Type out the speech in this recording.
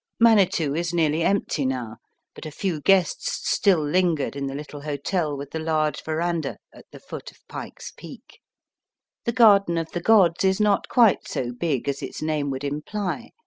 Manitou is nearly empty now, but a few guests stiU lingered in the little hotel Digitized by VjOOQIC 74 . EAST BY WEST. with the large verandah at the foot of Pike's Peak. The Q arden of the Gods is not quite so big as its name would imply.